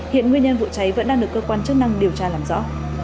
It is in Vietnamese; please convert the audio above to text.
hiện nguyên nhân vụ cháy vẫn đang được cơ quan chức năng điều tra làm rõ